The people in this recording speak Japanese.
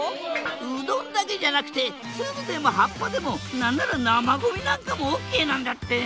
うどんだけじゃなくてツルでも葉っぱでも何なら生ゴミなんかもＯＫなんだって！